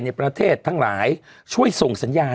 ในประเทศทั้งหลายช่วยส่งสัญญาณ